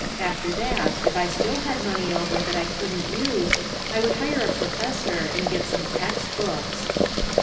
After that, if I still had money over that I couldn't use, I would hire a professor and get some text books.